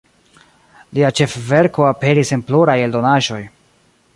Lia ĉefverko aperis en pluraj eldonaĵoj.